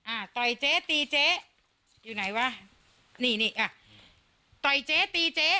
อ่าต่อยเจ๊ตีเจ๊อยู่ไหนวะนี่นี่อ่ะต่อยเจ๊ตีเจ๊